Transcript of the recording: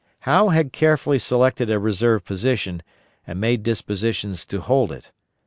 Howe had carefully selected a reserve position and made dispositions to hold it.